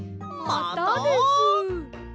またです。